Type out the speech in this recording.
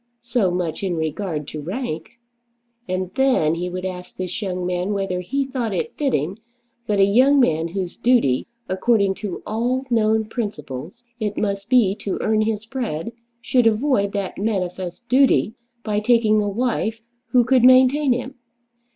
So much in regard to rank! And then he would ask this young man whether he thought it fitting that a young man whose duty, according to all known principles, it must be to earn his bread, should avoid that manifest duty by taking a wife who could maintain him.